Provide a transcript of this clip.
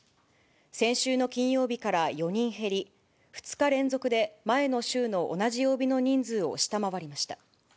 先週の金曜日から４人減り、２日連続で前の週の同じ曜日の人数を下回りました。